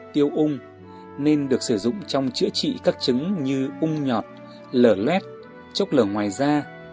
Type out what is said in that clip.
tiêu ung nên được sử dụng trong chữa trị các chứng như ung nhọt lở luet chốc lở ngoài da